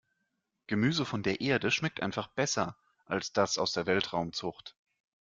Gemüse von der Erde schmeckt einfach besser als das aus der Weltraumzucht.